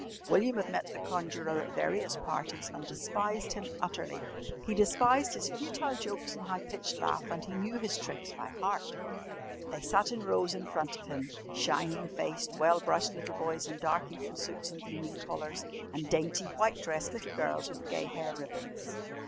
William had met the conjurer at various parties and despised him utterly. He despised his futile jokes and high pitched laugh and he knew his tricks by heart. They sat in rows in front of him shining faced, well brushed little boys in dark Eton suits and gleaming collars, and dainty white dressed little girls with gay hair ribbons.